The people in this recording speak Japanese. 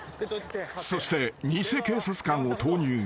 ［そして偽警察官を投入］